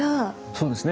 そうですね。